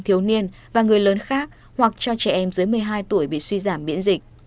thiếu niên và người lớn khác hoặc cho trẻ em dưới một mươi hai tuổi bị suy giảm biễn dịch